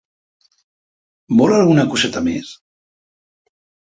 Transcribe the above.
Vol alguna coseta més?